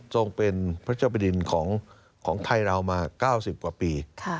ทรงเป็นพระเจ้าบดินของไทยเรามา๙๐กว่าปี